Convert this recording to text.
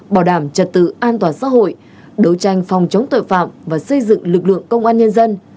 bảo đảm trật tự an toàn xã hội đấu tranh phòng chống tội phạm và xây dựng lực lượng công an nhân dân